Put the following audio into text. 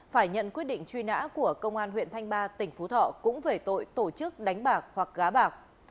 phải nhận quyết định truy nã của công an huyện thanh ba tỉnh phú thọ cũng về tội tổ chức đánh bạc hoặc gá bạc